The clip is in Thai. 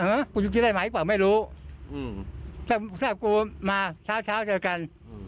ฮึกูอยู่ใจหมาอีกป๋อไม่รู้อืมถ้ากูมาเช้าเช้าเชิดกัน